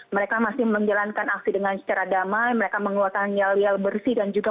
mereka masih menjalankan aksi dengan secara damai mereka mengeluarkan yel yel bersih dan juga